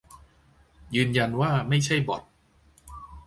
ยืนยันว่าไม่ใช่บ็อต